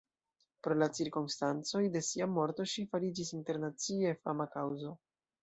Pro la cirkonstancoj de sia morto ŝi fariĝis internacie fama kaŭzo.